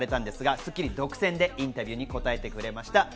『スッキリ』独占でインタビューに答えてくれました。